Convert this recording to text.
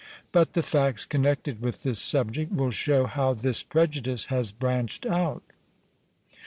But the facts connected with this subject will show how this prejudice has branched out.